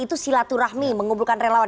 itu silaturahmi mengumpulkan relawan